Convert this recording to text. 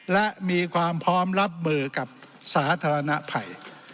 และมีความพร้อมรับมือกับสาธารณภัย